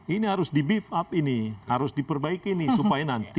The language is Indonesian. ini harus di beef up ini harus diperbaiki ini supaya nanti